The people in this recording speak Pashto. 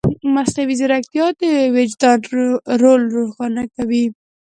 مصنوعي ځیرکتیا د وجدان رول روښانه کوي.